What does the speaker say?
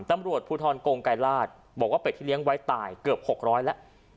ตำรวจภูทรกงไกรราชบอกว่าเป็ดที่เลี้ยงไว้ตายเกือบ๖๐๐แล้ว